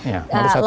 ya baru aja